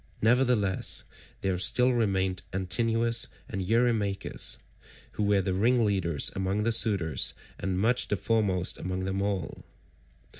Nevertheless there still remained Antinous and Eurymachus, who were the ringleaders among the suitors and much the foremost among them all.